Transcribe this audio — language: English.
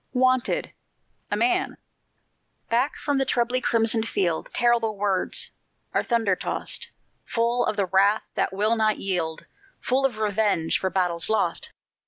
WANTED A MAN Back from the trebly crimsoned field Terrible words are thunder tost; Full of the wrath that will not yield, Full of revenge for battles lost!